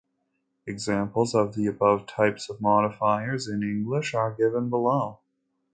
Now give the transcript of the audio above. Examples of the above types of modifiers, in English, are given below.